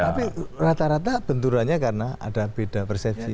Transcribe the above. tapi rata rata benturannya karena ada beda persepsi